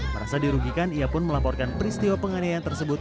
merasa dirugikan ia pun melaporkan peristiwa penganiayaan tersebut